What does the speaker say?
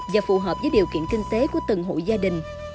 và phù hợp với điều kiện kinh tế của từng hộ gia đình